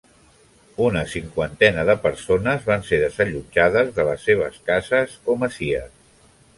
Una cinquantena de persones van ser desallotjades de les seves cases o masies.